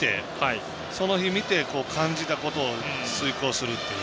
その日見て感じたことを遂行するという。